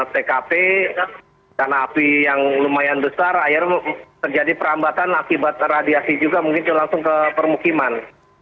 tkp dana api yang lumayan besar akhirnya terjadi perambatan akibat radiasi juga mungkin langsung ke permukiman